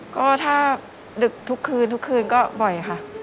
ก็ถ้าดึกทุกคืนก็บ่อยค่ะ